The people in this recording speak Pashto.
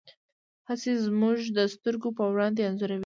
هڅې زموږ د سترګو په وړاندې انځوروي.